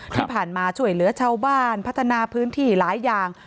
ที่ผ่านมาช่วยเหลือชาวบ้านพัฒนาพื้นที่หลายอย่าง